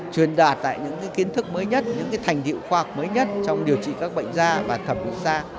truyền đạt những kiến thức mới nhất những thành hiệu khoa học mới nhất trong điều trị các bệnh da và thẩm mỹ da